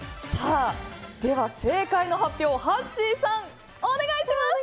では正解の発表をはっしーさん、お願いします。